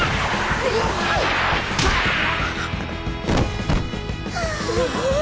すごい。